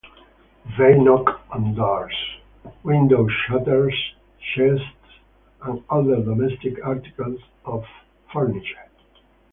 They knock on doors, window-shutters, chests, and other domestic articles of furniture.